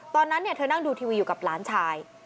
ตอนนั้นเธอนั่งดูทีวีอยู่กับหลานชาย